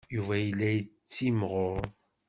Yuba yella yettimɣur.